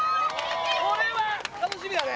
これは楽しみだね